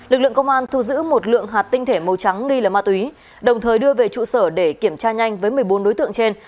lực lượng công an thu giữ một lượng hạt tinh thể màu trắng nghi là ma túy đồng thời đưa về trụ sở để kiểm tra nhanh với một mươi bốn đối tượng trên